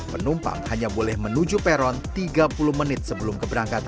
penumpang hanya boleh menuju peron tiga puluh menit sebelum keberangkatan